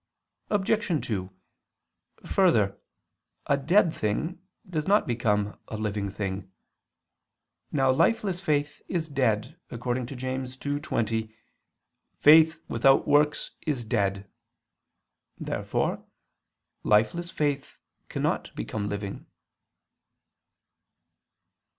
Obj. 2: Further, a dead thing does not become a living thing. Now lifeless faith is dead, according to James 2:20: "Faith without works is dead." Therefore lifeless faith cannot become living.